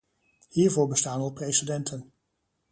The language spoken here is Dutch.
Hiervoor bestaan al precedenten.